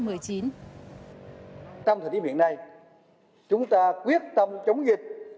trong thời điểm hiện nay chúng ta quyết tâm chống dịch